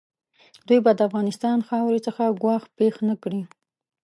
دوی به د افغانستان خاورې څخه ګواښ پېښ نه کړي.